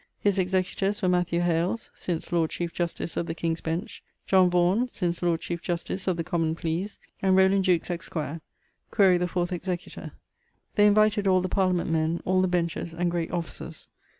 His executors were Matthew Hales (since Lord Chiefe Justice of the King's Bench), John Vaughan (since Lord Chief Justice of the Common Pleas), and Rowland Jewkes, Esq.: quaere the fourth executor[BN]. They invited all the Parliament men, all the benchers, and great officers.